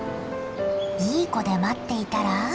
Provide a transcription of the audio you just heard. いい子で待っていたら。